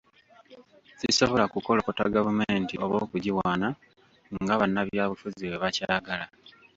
sisobola kukolokota gavumenti oba okugiwaana nga bannabyabufuzi bwe bakyagala